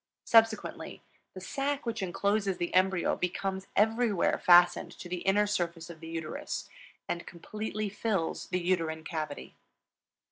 Subsequently, the sac which incloses the embryo becomes everywhere fastened to the inner surface of the uterus and completely fills the uterine cavity.